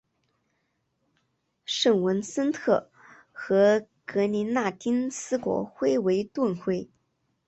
圣文森特和格林纳丁斯国徽为盾徽。